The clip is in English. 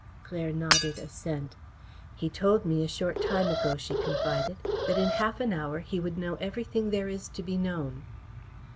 Claire nodded assent. "He told me a short time ago," she confided, "that in half an hour he would know everything there is to be known."